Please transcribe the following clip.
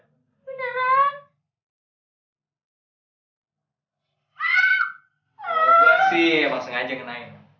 tidak tidak masing masing saja terkena air